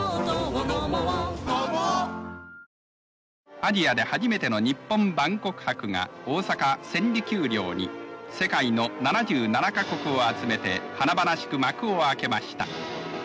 アジアで初めての日本万国博が大阪・千里丘陵に世界の７７か国を集めて華々しく幕を開けました。